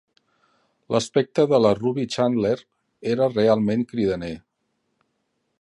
L'aspecte de la Ruby Chandler era realment cridaner.